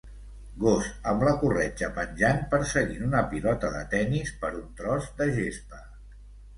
Gos amb la corretja penjant perseguint una pilota de tennis per un tros de gespa.